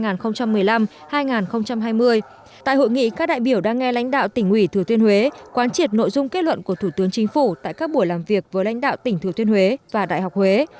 tại hội nghị các đại biểu đã nghe lãnh đạo tỉnh ủy thừa thiên huế quán triệt nội dung kết luận của thủ tướng chính phủ tại các buổi làm việc với lãnh đạo tỉnh thừa thiên huế và đại học huế